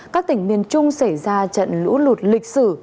các tỉnh miền trung xảy ra trận lũ lụt lịch sử